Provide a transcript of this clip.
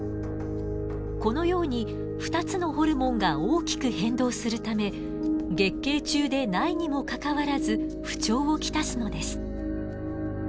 このように２つのホルモンが大きく変動するため月経中でないにもかかわらず不調を来すのです。